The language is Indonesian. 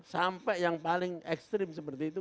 sampai yang paling ekstrim seperti itu